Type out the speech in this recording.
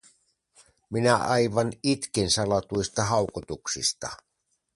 Minä aivan itkin salatuista haukotuksista.